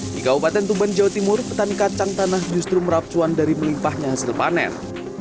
di kabupaten tuban jawa timur petani kacang tanah justru merapcuan dari melimpahnya hasil panen